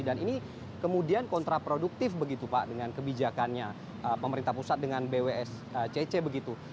dan ini kemudian kontraproduktif begitu pak dengan kebijakannya pemerintah pusat dengan bws cc begitu